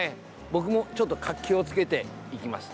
僕もちょっと活気を付けていきます。